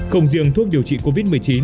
không riêng thuốc điều trị covid một mươi chín